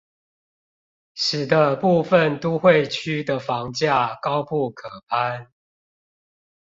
使得部分都會區的房價高不可攀